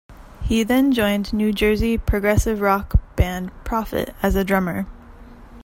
He then joined New Jersey progressive rock band Prophet as a drummer.